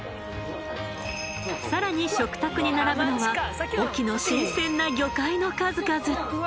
更に食卓に並ぶのは隠岐の新鮮な魚介の数々。